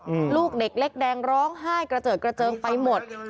ลูกเด็กเล็กแดงร้องไห้กระเจิดกระเจิงไปหมด